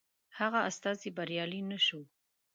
هغه استازی بریالی نه شو.